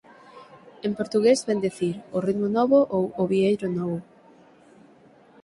En portugués vén dicir ""o ritmo novo"" ou ""o vieiro novo"".